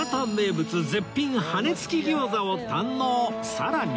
さらに